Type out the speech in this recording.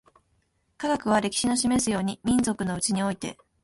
科学は、歴史の示すように、民族のうちにおいて